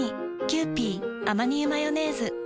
「キユーピーアマニ油マヨネーズ」